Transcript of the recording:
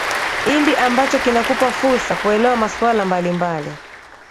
indi ambacho kinakupa fursa kuelewa masuala mbalimbali